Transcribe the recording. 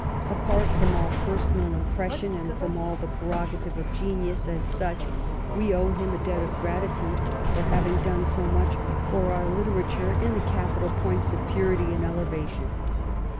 Apart from all personal impression and from all the prerogative of genius, as such, we owe him a debt of gratitude for having done so much for our literature in the capital points of purity and eleva tion."